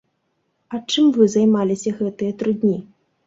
А чым вы займаліся гэтыя тры дні?